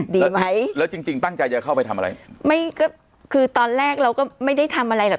ดีไหมแล้วจริงจริงตั้งใจจะเข้าไปทำอะไรไม่ก็คือตอนแรกเราก็ไม่ได้ทำอะไรหรอก